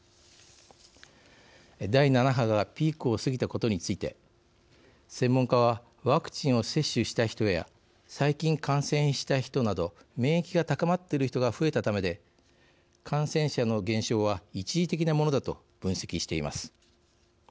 第７波がピークを過ぎたことについて、専門家はワクチンを接種した人や最近、感染した人など免疫が高まっている人が増えたためで感染者の減少は一時的なものだと分析しています。